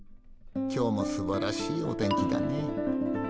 今日もすばらしいお天気だね。